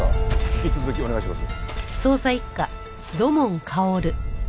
引き続きお願いします。